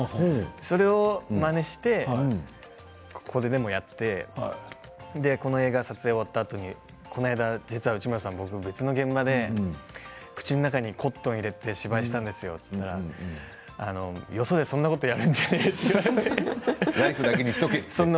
それをまねしてこれでもやってこの映画、撮影が終わったあとにこの間、実は内村さん、別の現場でコットンを口に入れて芝居したんですよと言ったらよそでそんなことやるんじゃないよと言われてうちだけにしておけと。